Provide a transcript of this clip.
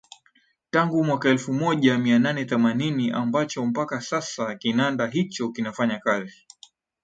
Tangu mwaka elfu moja mia nane themanini ambacho mpaka sasa kinanda hicho kinafanya kazi